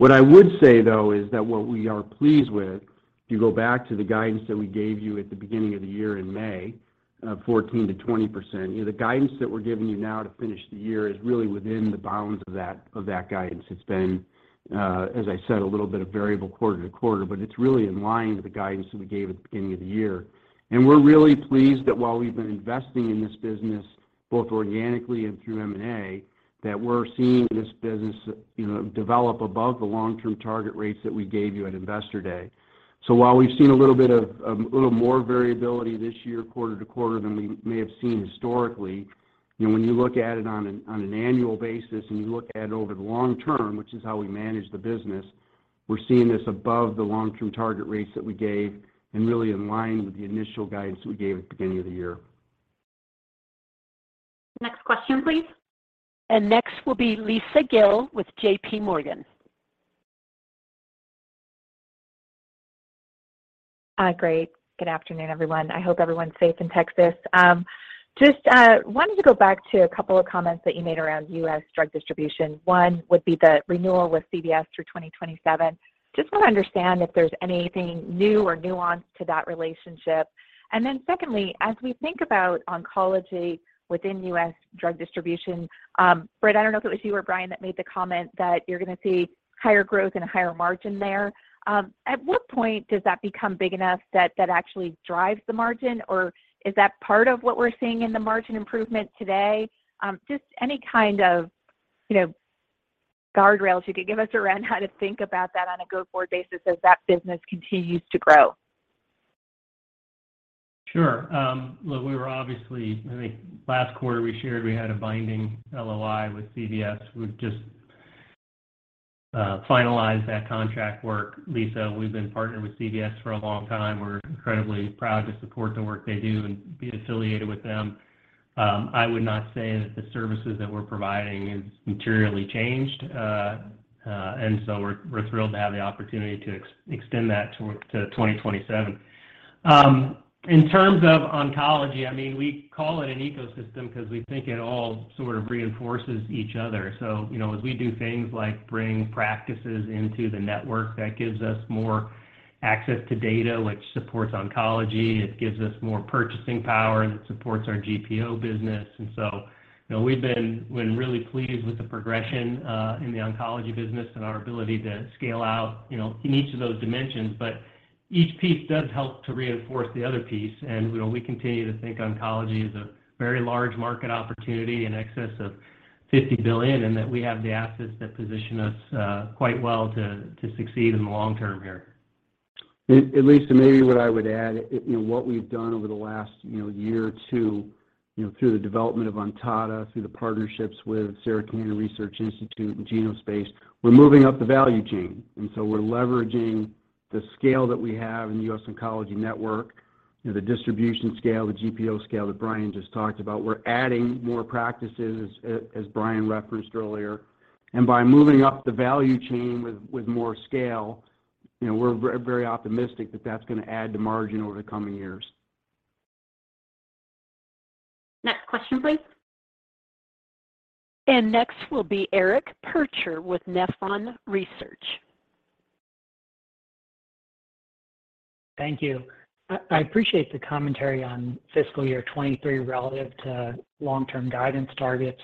What I would say, though, is that what we are pleased with, if you go back to the guidance that we gave you at the beginning of the year in May, 14%-20%, you know, the guidance that we're giving you now to finish the year is really within the bounds of that, of that guidance. It's been, as I said, a little bit of variable quarter to quarter, but it's really in line with the guidance that we gave at the beginning of the year. We're really pleased that while we've been investing in this business, both organically and through M&A, that we're seeing this business, you know, develop above the long-term target rates that we gave you at Investor Day. While we've seen a little bit of a little more variability this year, quarter to quarter, than we may have seen historically, you know, when you look at it on an annual basis and you look at it over the long term, which is how we manage the business, we're seeing this above the long-term target rates that we gave and really in line with the initial guidance we gave at the beginning of the year. Next question, please. Next will be Lisa Gill with JPMorgan. Great. Good afternoon, everyone. I hope everyone's safe in Texas. Just wanted to go back to a couple of comments that you made around U.S. drug distribution. One would be the renewal with CVS through 2027. Just wanna understand if there's anything new or nuanced to that relationship. Secondly, as we think about oncology within U.S. drug distribution, Fred, I don't know if it was you or Brian that made the comment that you're gonna see higher growth and a higher margin there. At what point does that become big enough that that actually drives the margin? Is that part of what we're seeing in the margin improvement today? Just any kind of, you know, guardrails you could give us around how to think about that on a go-forward basis as that business continues to grow. Sure. Look, I think last quarter we shared we had a binding LOI with CVS. We've just finalized that contract work, Lisa. We've been partnered with CVS for a long time. We're incredibly proud to support the work they do and be affiliated with them. I would not say that the services that we're providing has materially changed. We're thrilled to have the opportunity to extend that to 2027. In terms of oncology, I mean, we call it an ecosystem 'cause we think it all sort of reinforces each other. You know, as we do things like bring practices into the network, that gives us more access to data, which supports oncology. It gives us more purchasing power, and it supports our GPO business. You know, we've been really pleased with the progression in the oncology business and our ability to scale out, you know, in each of those dimensions. Each piece does help to reinforce the other piece. You know, we continue to think oncology is a very large market opportunity, in excess of 50 billion, and that we have the assets that position us quite well to succeed in the long term here. At least maybe what I would add, you know, what we've done over the last, you know, one or two, you know, through the development of Ontada, through the partnerships with Sarah Cannon Research Institute and Genospace, we're moving up the value chain. We're leveraging the scale that we have in The US Oncology Network, you know, the distribution scale, the GPO scale that Brian just talked about. We're adding more practices as Brian referenced earlier. By moving up the value chain with more scale, you know, we're very optimistic that that's going to add to margin over the coming years. Next question, please. Next will be Eric Percher with Nephron Research. Thank you. I appreciate the commentary on fiscal year 2023 relative to long-term guidance targets.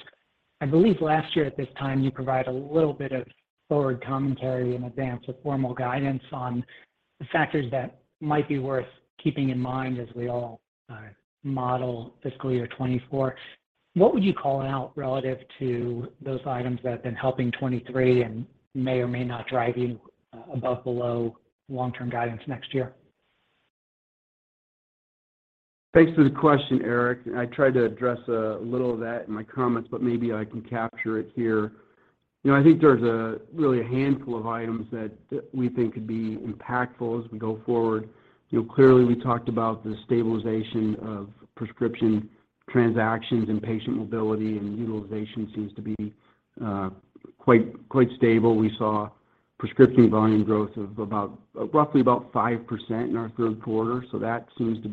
I believe last year at this time, you provide a little bit of forward commentary in advance of formal guidance on the factors that might be worth keeping in mind as we all model fiscal year 2024. What would you call out relative to those items that have been helping 2023 and may or may not drive you above, below long-term guidance next year? Thanks for the question, Eric. I tried to address a little of that in my comments. Maybe I can capture it here. You know, I think there's really a handful of items that we think could be impactful as we go forward. You know, clearly we talked about the stabilization of prescription transactions and patient mobility. Utilization seems to be quite stable. We saw prescription volume growth of roughly about 5% in our third quarter. That seems to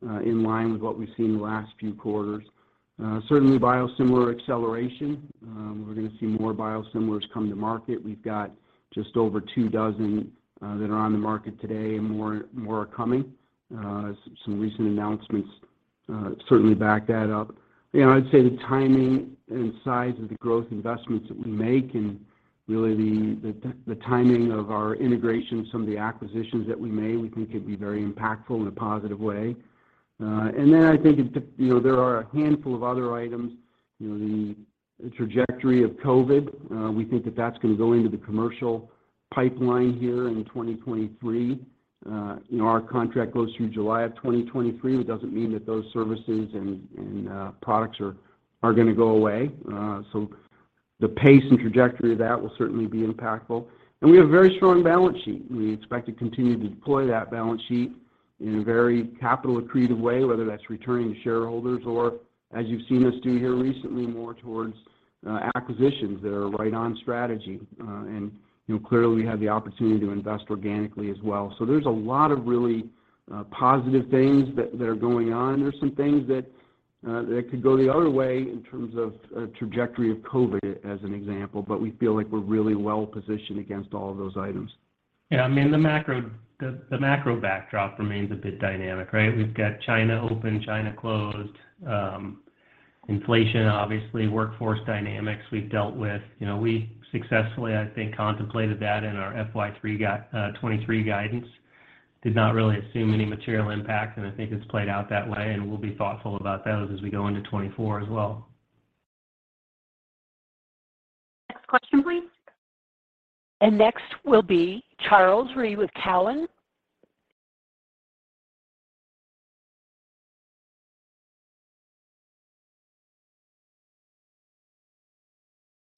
be in line with what we've seen in the last few quarters. Certainly biosimilar acceleration, we're gonna see more biosimilars come to market. We've got just over two dozen that are on the market today. More are coming. Some recent announcements certainly back that up. You know, I'd say the timing and size of the growth investments that we make and really the timing of our integration of some of the acquisitions that we made, we think could be very impactful in a positive way. I think it's a you know, there are a handful of other items. You know, the trajectory of COVID, we think that that's gonna go into the commercial pipeline here in 2023. You know, our contract goes through July of 2023, it doesn't mean that those services and products are gonna go away. The pace and trajectory of that will certainly be impactful. We have a very strong balance sheet, and we expect to continue to deploy that balance sheet in a very capital-accretive way, whether that's returning to shareholders or, as you've seen us do here recently, more towards acquisitions that are right on strategy. You know, clearly, we have the opportunity to invest organically as well. There's a lot of really positive things that are going on. There's some things that could go the other way in terms of trajectory of COVID as an example, but we feel like we're really well-positioned against all of those items. Yeah, I mean, the macro backdrop remains a bit dynamic, right? We've got China open, China closed, inflation, obviously, workforce dynamics we've dealt with. You know, we successfully, I think, contemplated that in our FY 23 guidance. Did not really assume any material impact, and I think it's played out that way, and we'll be thoughtful about those as we go into 24 as well. Next question, please. next will be Charles Rhyee with Cowen.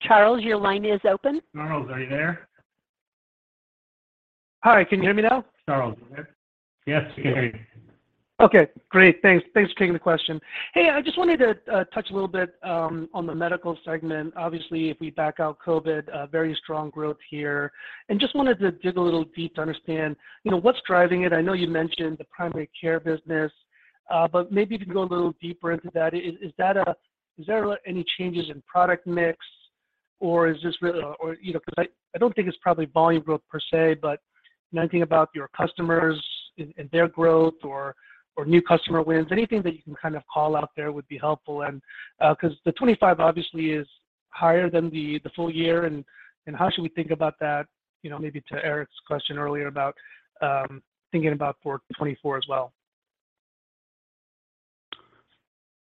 Charles, your line is open. Charles, are you there? Hi, can you hear me now? Charles, are you there? Yes, we can hear you. Okay, great. Thanks. Thanks for taking the question. Hey, I just wanted to touch a little bit on the medical segment. Obviously, if we back out COVID, a very strong growth here. Just wanted to dig a little deep to understand, you know, what's driving it. I know you mentioned the primary care business, but maybe if you can go a little deeper into that. Is there any changes in product mix or is this really... You know, 'cause I don't think it's probably volume growth per se, but anything about your customers and their growth or new customer wins. Anything that you can kind of call out there would be helpful. 'Cause the 25 obviously is higher than the full year, and how should we think about that, you know, maybe to Eric Percher's question earlier about, thinking about for 2024 as well.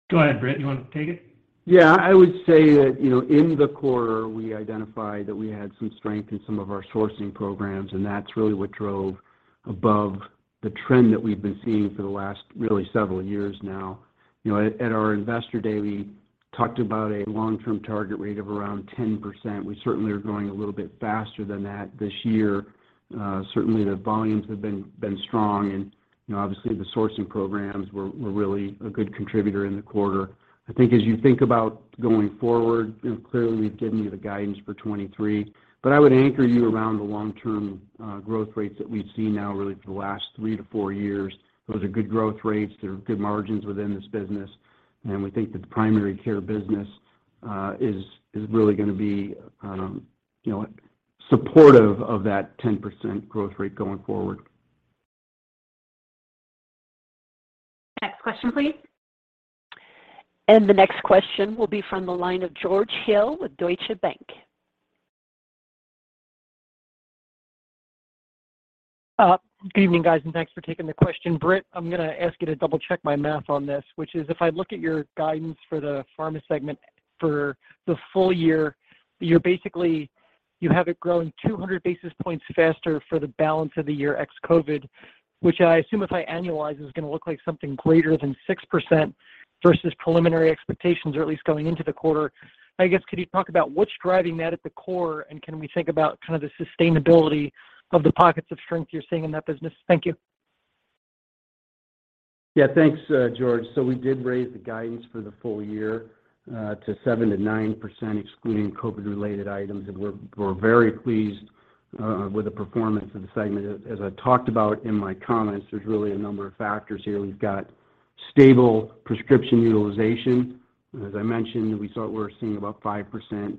Go ahead, Britt, you wanna take it? Yeah. I would say that, you know, in the quarter, we identified that we had some strength in some of our sourcing programs, and that's really what drove above the trend that we've been seeing for the last, really several years now. You know, at our Investor Day, we talked about a long-term target rate of around 10%. We certainly are growing a little bit faster than that this year. Certainly the volumes have been strong and, you know, obviously the sourcing programs were really a good contributor in the quarter. I think as you think about going forward, you know, clearly we've given you the guidance for 23. I would anchor you around the long-term growth rates that we've seen now really for the last 3 to 4 years. Those are good growth rates. There are good margins within this business, and we think that the primary care business is really gonna be, you know, supportive of that 10% growth rate going forward. Next question, please. The next question will be from the line of George Hill with Deutsche Bank. Good evening, guys, thanks for taking the question. Britt, I'm gonna ask you to double-check my math on this, which is if I look at your guidance for the pharma segment for the full year, You have it growing 200 basis points faster for the balance of the year ex-COVID, which I assume if I annualize, is gonna look like something greater than 6% versus preliminary expectations or at least going into the quarter. Could you talk about what's driving that at the core, can we think about kind of the sustainability of the pockets of strength you're seeing in that business? Thank you. Thanks, George. We did raise the guidance for the full year to 7%-9%, excluding COVID-related items, and we're very pleased with the performance of the segment. As I talked about in my comments, there's really a number of factors here. We've got stable prescription utilization. As I mentioned, we're seeing about 5%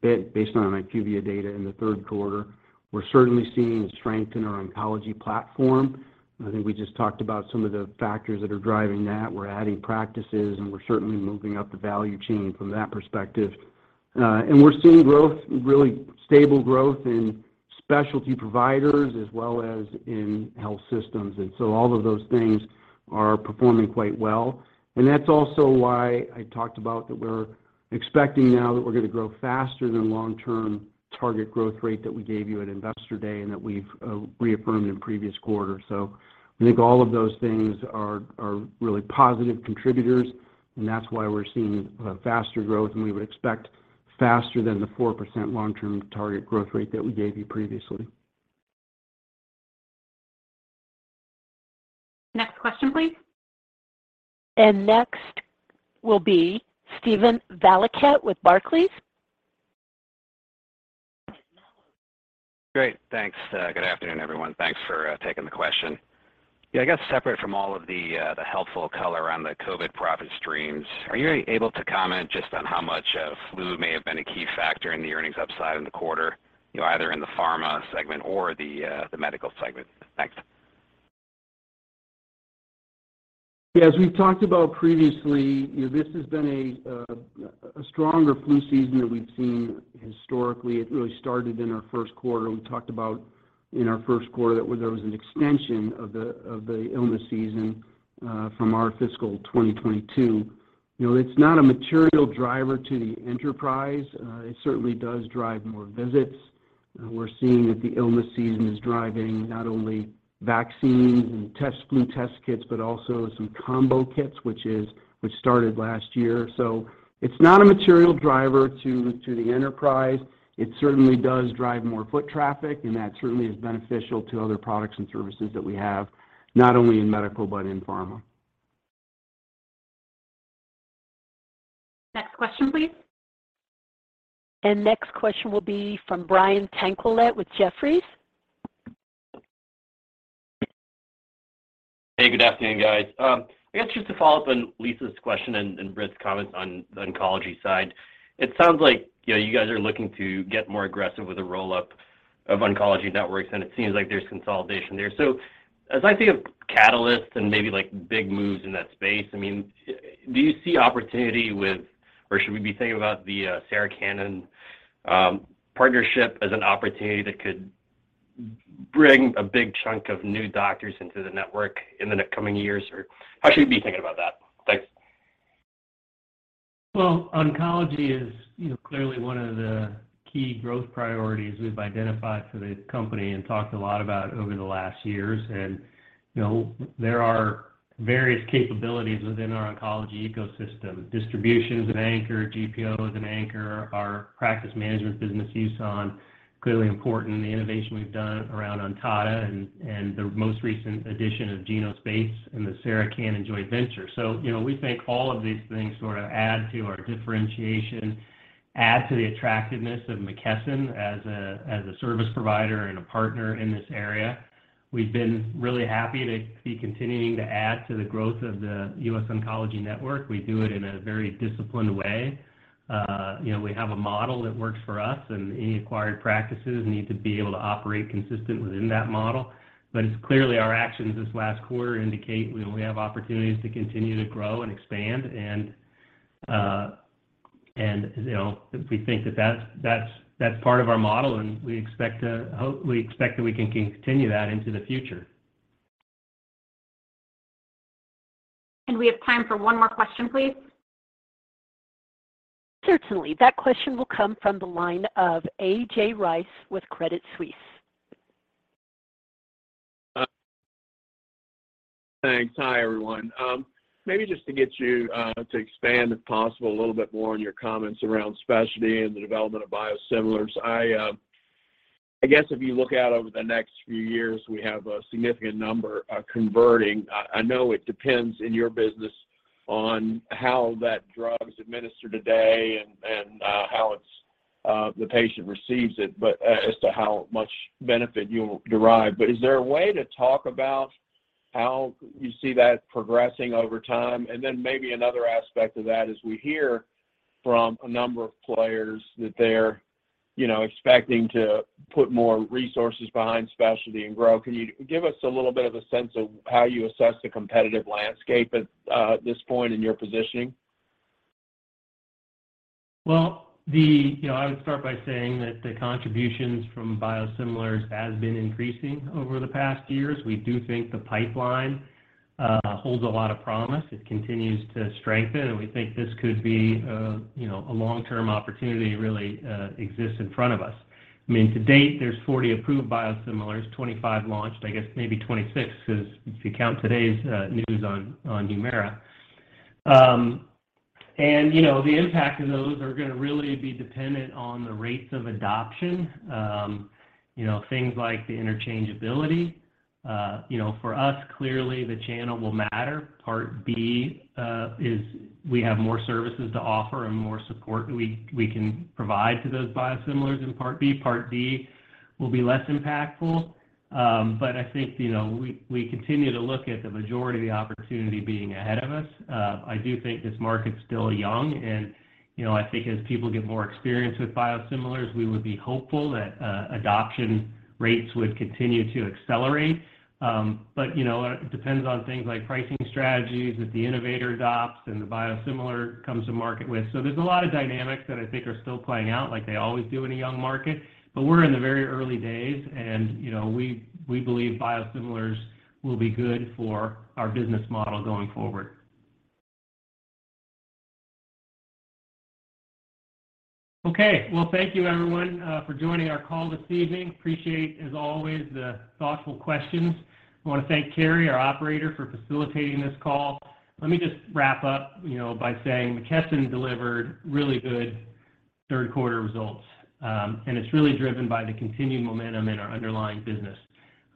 based on IQVIA data in the third quarter. We're certainly seeing strength in our oncology platform. I think we just talked about some of the factors that are driving that. We're adding practices, and we're certainly moving up the value chain from that perspective. We're seeing growth, really stable growth in specialty providers as well as in health systems. All of those things are performing quite well. That's also why I talked about that we're gonna grow faster than long-term target growth rate that we gave you at Investor Day and that we've reaffirmed in previous quarters. I think all of those things are really positive contributors, and that's why we're seeing faster growth than we would expect, faster than the 4% long-term target growth rate that we gave you previously. Next question, please. Next will be Steven Valiquette with Barclays. Great. Thanks. Good afternoon, everyone. Thanks for taking the question. Yeah, I guess separate from all of the the helpful color on the COVID profit streams, are you able to comment just on how much flu may have been a key factor in the earnings upside in the quarter, you know, either in the pharma segment or the the medical segment? Thanks. Yeah, as we've talked about previously, you know, this has been a stronger flu season than we've seen historically. It really started in our first quarter. We talked about in our first quarter that there was an extension of the illness season from our fiscal 2022. You know, it's not a material driver to the enterprise. It certainly does drive more visits. We're seeing that the illness season is driving not only vaccines and flu test kits, but also some combo kits, which started last year. It's not a material driver to the enterprise. It certainly does drive more foot traffic, and that certainly is beneficial to other products and services that we have, not only in medical but in pharma. Next question, please. Next question will be from Brian Tanquilut with Jefferies. Hey, good afternoon, guys. I guess just to follow up on Lisa's question and Britt's comments on the oncology side. It sounds like, you know, you guys are looking to get more aggressive with the roll-up of oncology networks, and it seems like there's consolidation there. As I think of catalysts and maybe, like, big moves in that space, I mean, do you see opportunity with or should we be thinking about the Sarah Cannon partnership as an opportunity that could bring a big chunk of new doctors into the network in the coming years? How should we be thinking about that? Thanks. Oncology is, you know, clearly one of the key growth priorities we've identified for the company and talked a lot about over the last years. There are various capabilities within our oncology ecosystem. Distribution is an anchor. GPO is an anchor. Our practice management business, USON, clearly important. The innovation we've done around Ontada and the most recent addition of Genospace and the Sarah Cannon joint venture. We think all of these things sort of add to our differentiation, add to the attractiveness of McKesson as a, as a service provider and a partner in this area. We've been really happy to be continuing to add to the growth of The US Oncology Network. We do it in a very disciplined way. You know, we have a model that works for us, and any acquired practices need to be able to operate consistent within that model. Clearly, our actions this last quarter indicate we have opportunities to continue to grow and expand. You know, we think that that's part of our model, and we expect that we can continue that into the future. We have time for one more question, please. Certainly. That question will come from the line of A.J. Rice with Credit Suisse. Thanks. Hi, everyone. Maybe just to get you to expand, if possible, a little bit more on your comments around specialty and the development of biosimilars. I guess if you look out over the next few years, we have a significant number converting. I know it depends in your business on how that drug is administered today and how it's the patient receives it, but as to how much benefit you'll derive. Is there a way to talk about how you see that progressing over time? Maybe another aspect of that as we hear from a number of players that they're, you know, expecting to put more resources behind specialty and grow. Can you give us a little bit of a sense of how you assess the competitive landscape at this point in your positioning? Well, you know, I would start by saying that the contributions from biosimilars has been increasing over the past years. We do think the pipeline holds a lot of promise. It continues to strengthen, and we think this could be a, you know, a long-term opportunity really exists in front of us. I mean, to date, there's 40 approved biosimilars, 25 launched, I guess maybe 26, 'cause if you count today's news on Humira. And you know, the impact of those are gonna really be dependent on the rates of adoption, you know, things like the interchangeability. You know, for us, clearly the channel will matter. Part B is we have more services to offer and more support that we can provide to those biosimilars in Part B. Part D will be less impactful. I think, you know, we continue to look at the majority of the opportunity being ahead of us. I do think this market's still young and, you know, I think as people get more experienced with biosimilars, we would be hopeful that adoption rates would continue to accelerate. You know, it depends on things like pricing strategies that the innovator adopts and the biosimilar comes to market with. There's a lot of dynamics that I think are still playing out like they always do in a young market. We're in the very early days and, you know, we believe biosimilars will be good for our business model going forward. Okay. Well, thank you everyone for joining our call this evening. Appreciate, as always, the thoughtful questions. I want to thank Carrie, our operator, for facilitating this call. Let me just wrap up, you know, by saying McKesson delivered really good third quarter results. It's really driven by the continued momentum in our underlying business.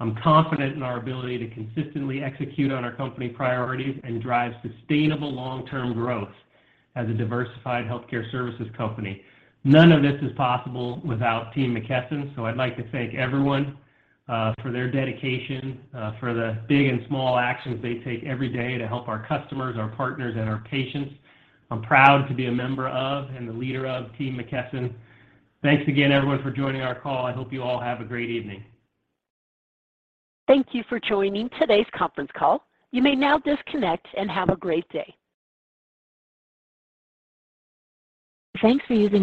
I'm confident in our ability to consistently execute on our company priorities and drive sustainable long-term growth as a diversified healthcare services company. None of this is possible without Team McKesson, so I'd like to thank everyone for their dedication, for the big and small actions they take every day to help our customers, our partners, and our patients. I'm proud to be a member of and the leader of Team McKesson. Thanks again, everyone, for joining our call. I hope you all have a great evening. Thank you for joining today's conference call. You may now disconnect and have a great day. Thanks for using